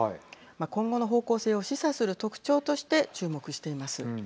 今後の方向性を示唆する特徴として注目しています。